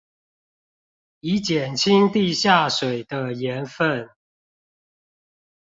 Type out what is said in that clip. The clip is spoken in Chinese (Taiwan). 以減輕地下水的鹽分